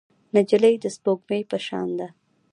نجلۍ د سپوږمۍ په شان ده.